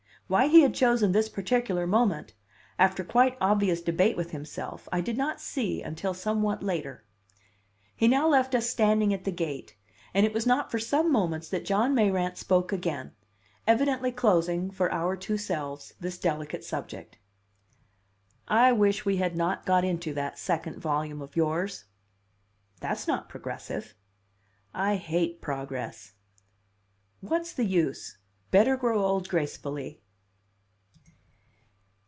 Why he had chosen this particular moment (after quite obvious debate with himself) I did not see until somewhat later. He now left us standing at the gate; and it was not for some moments that John Mayrant spoke again, evidently closing, for our two selves, this delicate subject. "I wish we had not got into that second volume of yours." "That's not progressive." "I hate progress." "What's the use? Better grow old gracefully!